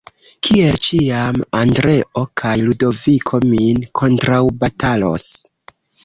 Kiel ĉiam, Andreo kaj Ludoviko min kontraŭbatalos.